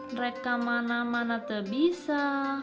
mereka mana mana tak bisa